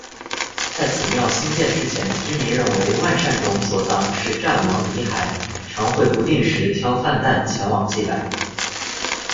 在此庙兴建之前，居民认为万善冢所葬是战亡遗骸，常会不定时挑饭担前往祭拜。